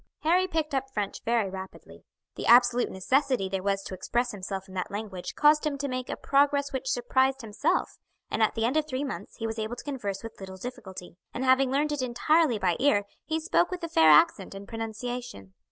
Harry picked up French very rapidly. The absolute necessity there was to express himself in that language caused him to make a progress which surprised himself, and at the end of three months he was able to converse with little difficulty, and having learned it entirely by ear he spoke with a fair accent and pronunciation.